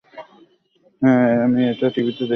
হ্যাঁ, আমি এটা টিভিতে দেখেছি।